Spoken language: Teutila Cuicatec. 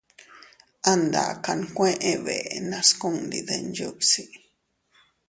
An daaka nkuee bee nascundi dinyuusi.